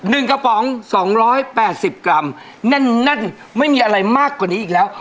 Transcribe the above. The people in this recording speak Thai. หนึ่งกระป๋องสองร้อยแปดสิบกรัมแน่นแน่นไม่มีอะไรมากกว่านี้อีกแล้ว